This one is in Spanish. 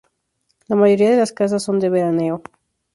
La mayoría de las casas son de veraneo.